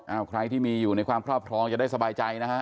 เอาใครที่มีอยู่ในความครอบครองจะได้สบายใจนะฮะ